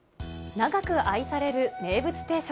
長く愛される名物定食。